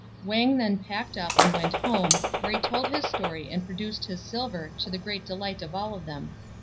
Wang then packed up and went home, where he told his story and produced his silver to the great delight of all of them.